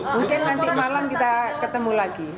mungkin nanti malam kita ketemu lagi